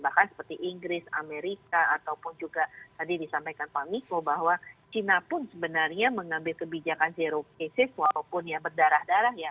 bahkan seperti inggris amerika ataupun juga tadi disampaikan pak miko bahwa china pun sebenarnya mengambil kebijakan zero cases walaupun ya berdarah darah ya